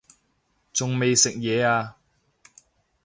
仲未食嘢呀